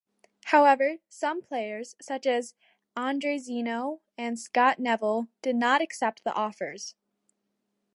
However some players, such as Andrezinho and Scott Neville, did not accept the offers.